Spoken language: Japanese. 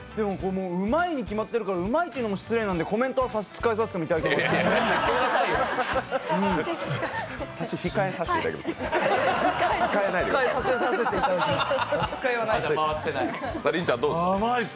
うまいに決まってるからうまいと言うのも失礼なんでコメントは差し支えさせていただきます。